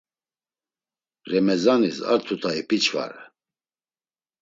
Remezanis ar tuta ipiçvare.